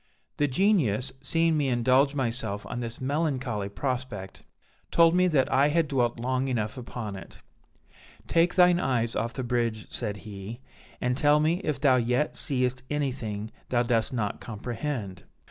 "The Genius, seeing me indulge myself on this melancholy prospect, told me that I had dwelt long enough upon it: 'Take thine eyes off the bridge,' said he, 'and tell me if thou yet seest anything thou dost not comprehend.'